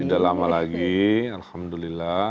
tidak lama lagi alhamdulillah